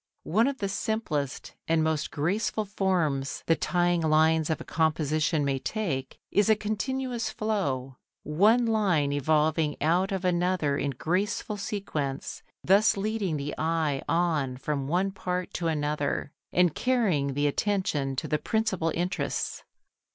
One of the simplest and most graceful forms the tying lines of a composition may take is a continuous flow, one line evolving out of another in graceful sequence, thus leading the eye on from one part to another and carrying the attention to the principal interests.